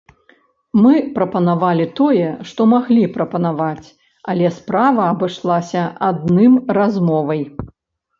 Мы прапанавалі тое, што маглі прапанаваць, але справа абышлася адным размовай.